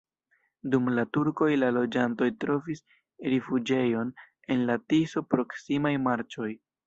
Dum la turkoj la loĝantoj trovis rifuĝejon en la Tiso-proksimaj marĉoj.